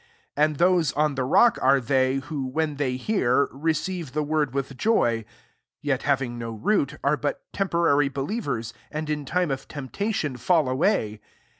13 And those on the rock are they^ who» when they hear, receive the word with joy ; yet having no root) are but temporary believ* ers, and in time of temptation fall away.